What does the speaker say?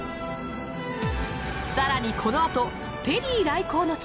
更にこのあとペリー来航の地